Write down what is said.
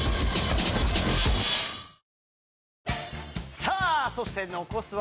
さあ、そして残すは